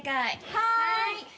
はい。